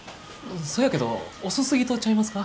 そやけど遅すぎとちゃいますか？